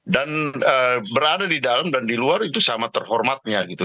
dan berada di dalam dan di luar itu sama terhormatnya gitu